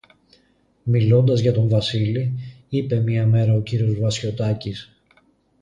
Μιλώντας για τον Βασίλη, είπε μια μέρα ο κύριος Βασιωτάκης: